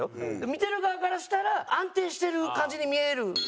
見てる側からしたら安定してる感じに見える。